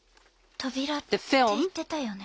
扉って言ってたよね？